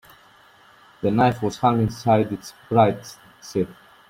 The knife was hung inside its bright sheath.